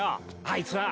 あいつは。